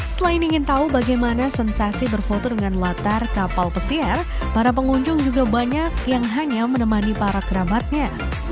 selain ingin tahu bagaimana sensasi berfoto dengan latar kapal pesiar para pengunjung juga banyak yang hanya menemani para kerabatnya